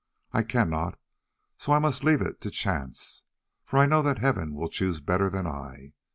I cannot, so I must leave it to chance, for I know that Heaven will choose better than I.